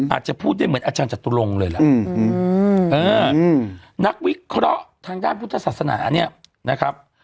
อาจจะพูดได้เหมือนอาจารย์จตุรงค์เลยล่ะนักวิเคราะห์ทางด้านพุทธศาสนาเนี่ยนะครับ